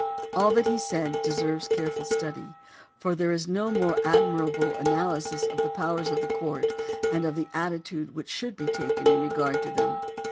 All that he said deserves careful study, for there is no more admirable analysis of the powers of the courts and of the attitude which should be taken in regard to them.